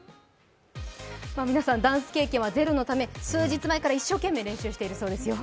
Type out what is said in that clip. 皆さん、ダンス経験はゼロのため数日前から一生懸命練習しているそうですよ。